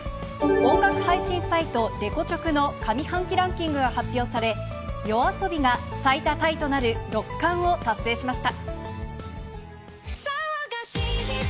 音楽配信サイト、レコチョクの上半期ランキングが発表され、ＹＯＡＳＯＢＩが最多タイとなる６冠を達成しました。